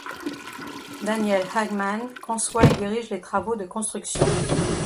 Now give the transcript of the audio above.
Daniel Hagman conçoit et dirige les travaux de construction.